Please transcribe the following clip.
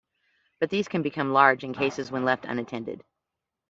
But these can become large in cases when left unattended.